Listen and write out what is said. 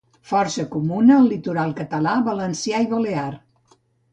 Força comuna al litoral Català, Valencià i Balear.